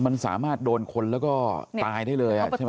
มันสามารถโดนคนแล้วก็ตายได้เลยใช่ไหม